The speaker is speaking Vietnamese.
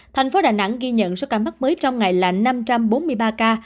thành phố đà nẵng ghi nhận số ca mắc mới trong ngày là năm trăm bốn mươi ba ca